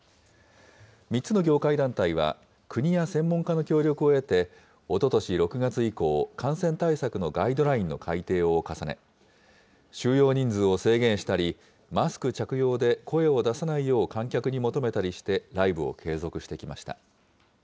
３つの業界団体は、国や専門家の協力を得て、おととし６月以降、感染対策のガイドラインの改訂を重ね、収容人数を制限したり、マスク着用で声を出さないよう観客に求めたりして、ライブを継続してきました。